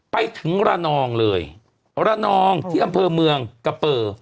ไปถึงระนองเลยระนองที่อำเภอเมืองกะเปอร์